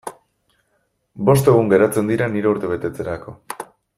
Bost egun geratzen dira nire urtebetetzerako.